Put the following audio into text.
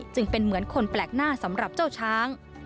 จึงเป็นเหมือนคนแปลกหน้าสำหรับเจ้าช้าง